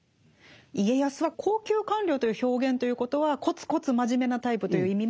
家康は「高級官僚」という表現ということはコツコツ真面目なタイプという意味もあるんですか？